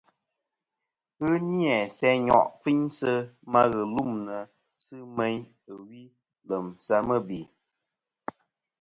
Ghɨ ni-a sɨ nyo' kfiynsɨ ma ghɨlûmnɨ sɨ meyn ɨ wi lèm sɨ mɨbè.